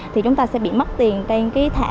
thì chúng ta sẽ bị mất tiền